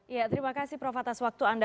ya terima kasih prof atas waktu anda